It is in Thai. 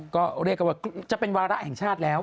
ก็เรียกกันว่าจะเป็นวาระแห่งชาติแล้ว